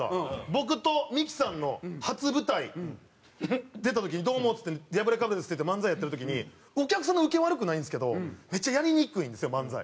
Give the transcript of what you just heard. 僕とミキさんの初舞台出た時に「どうも」っつって「やぶれかぶれです」って言って漫才やってる時にお客さんのウケ悪くないんですけどめっちゃやりにくいんですよ漫才。